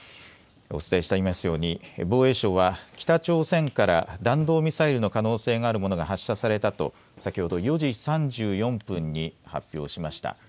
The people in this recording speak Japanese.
お伝えしていますように防衛省は北朝鮮から弾道ミサイルの可能性があるものが発射されたと先ほど４時３４分に発表しました。